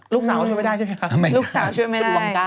ลูกสาวช่วยไม่ได้ใช่ไหมคะ